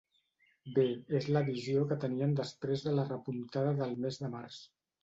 Bé, és la visió que tenien després de la repuntada del mes de març.